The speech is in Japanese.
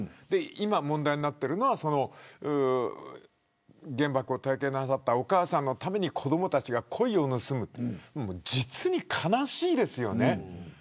今、問題になっているのは原爆を体験したお母さんのために子どもたちがコイを盗むというこれ実に悲しいですよね。